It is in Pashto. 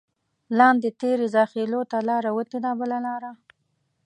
لاندې ترې زاخېلو ته لاره وتې ده بله لاره.